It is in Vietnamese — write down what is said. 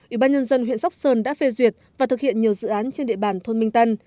ủy ban nhân dân huyện sóc sơn đã phê duyệt và thực hiện nhiều dự án trên địa bàn thôn minh tân